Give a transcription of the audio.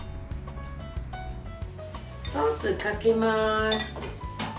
ソースかけます。